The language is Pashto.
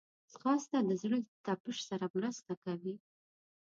ځغاسته د زړه له تپش سره مرسته کوي